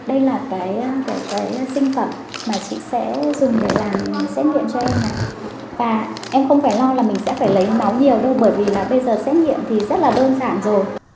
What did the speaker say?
bởi vì là bây giờ xét nghiệm thì rất là đơn giản rồi